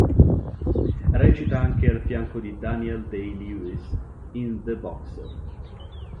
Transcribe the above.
Recita anche al fianco di Daniel Day-Lewis in "The Boxer".